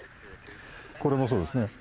これもそうですね